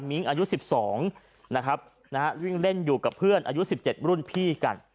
ิ้งอายุ๑๒นะครับวิ่งเล่นอยู่กับเพื่อนอายุ๑๗รุ่นพี่กัน